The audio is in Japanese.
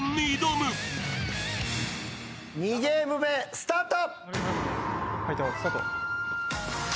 ２ゲーム目スタート。